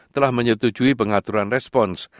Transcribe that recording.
telah menyetujui pengaturan respons